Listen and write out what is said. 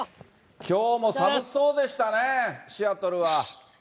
きょうも寒そうでしたね、シアトルは。